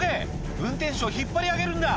運転手を引っ張り上げるんだ！」